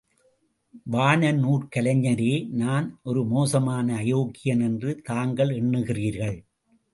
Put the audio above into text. வானநூற்கலைஞரே நான் ஒரு மோசமான அயோக்கியன் என்று தாங்கள் எண்ணுகிறீர்கள்.